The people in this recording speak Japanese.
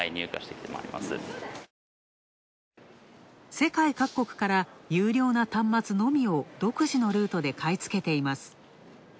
世界各国から優良な端末のみを独自のルートで買い付けています。